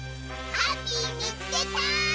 ハッピーみつけた！